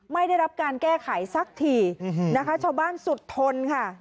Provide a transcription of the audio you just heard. ไม่ได้รับการแก้ไขสักทีนะคะชาวบ้านสุดทนค่ะ